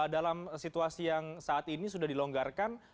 dalam situasi yang saat ini sudah dilonggarkan